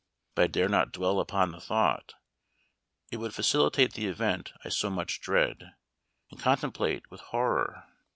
But I dare not dwell upon the thought: it would facilitate the event I so much dread, and contemplate with horror.